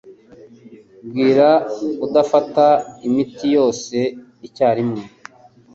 Bwira kudafata imiti yose icyarimwe.